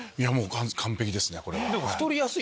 完璧ですねこれは。